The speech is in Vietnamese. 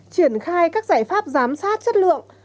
triển khai các giải pháp giám sát chất lượng